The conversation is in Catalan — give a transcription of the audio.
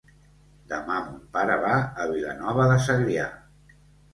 Demà mon pare va a Vilanova de Segrià.